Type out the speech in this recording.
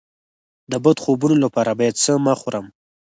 د بد خوبونو لپاره باید څه مه خورم؟